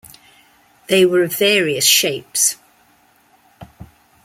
They were of various shapes.